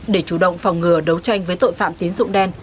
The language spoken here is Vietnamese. để chủ động phòng ngừa đấu tranh với tội phạm tín dụng đen